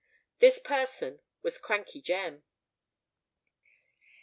This person was Crankey Jem.